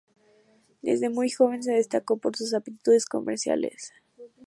Desde muy joven se destacó por sus aptitudes comerciales.